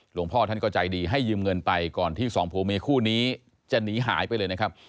หลวงพ่อท่านก็ใจดีให้ยืมเงินไปก่อนที่สองผัวเมียคู่นี้จะหนีหายไปเลยนะครับ